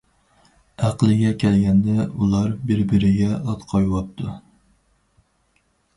ئەقلىگە كەلگەندە ئۇلار بىر- بىرىگە ئات قويۇۋاپتۇ.